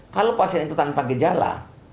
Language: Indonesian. kalau pasien itu tanpa gejala